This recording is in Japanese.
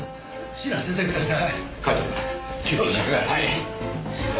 死なせてください。